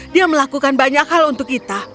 dia melakukan banyak hal untuk kita